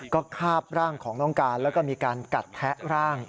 ก็คาบร่างของน้องการแล้วก็มีการกัดแทะร่าง